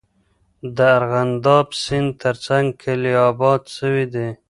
د ارغنداب سیند ترڅنګ کلي آباد سوي دي.